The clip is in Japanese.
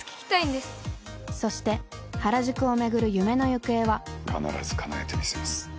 ナツ：そして原宿をめぐる夢の行方は必ず叶えてみせます。